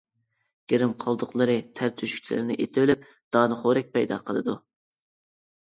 گىرىم قالدۇقلىرى تەر تۆشۈكچىلىرىنى ئېتىۋېلىپ، دانىخورەك پەيدا قىلىدۇ.